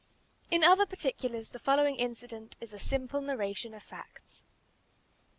In other particulars the following incident is a simple narration of facts.